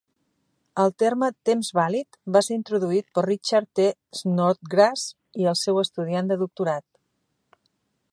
El terme "temps vàlid" va ser introduït per Richard T. Snodgrass i el seu estudiant de doctorat.